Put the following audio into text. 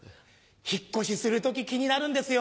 引っ越しする時気になるんですよ。